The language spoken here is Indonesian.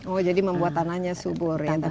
oh jadi membuat tanahnya subur ya